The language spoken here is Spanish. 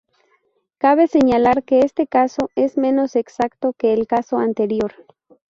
Cabe señalar que este caso es menos exacto que el caso anterior.